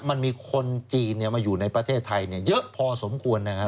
มันมีคนจีนมาอยู่ในประเทศไทยเยอะพอสมควรนะครับ